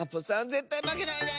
ぜったいまけないで！